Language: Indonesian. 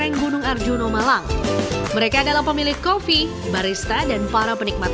asiswi dua puluh tiga tahun ini mengenal kopi sejak lima tahun terakhir